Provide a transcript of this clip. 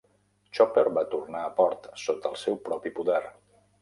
"Chopper" va tornar a port sota el seu propi poder.